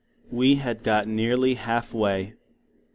We had got nearly half way.